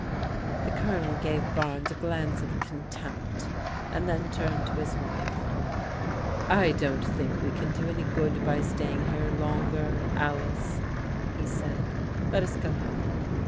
The Colonel gave Barnes a glance of contempt, and then turned to his wife. " I don't think we can do any good by staying here longer, Alice," he said. Let us go home.